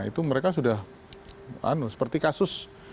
itu mereka sudah seperti kasus